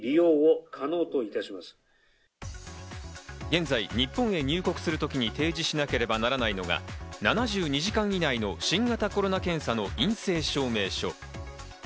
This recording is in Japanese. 現在、日本へ入国する時に提示しなければならないのが７２時間以内の新型コロナ検査の陰性証明書。